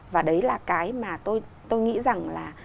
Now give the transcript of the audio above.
và đấy là cái mà tôi nghĩ rằng là